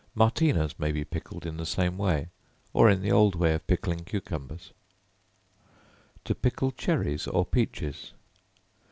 Martina's may be pickled in the same way, or in the old way of pickling cucumbers. To Pickle Cherries or Peaches.